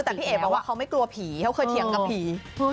แต่พี่เอ๋บอกว่าเขาไม่กลัวผีเขาเคยเถียงกับผี